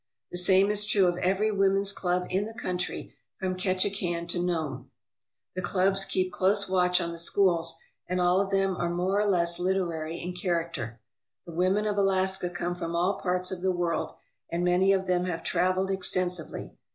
The same is true of every women's club in the country from Ketchikan to Nome. The clubs keep close watch on the sch<Jbls, and all of them are more or less literary in character. The women of Alaska come from all parts of the world, and many of them have travelled extensively.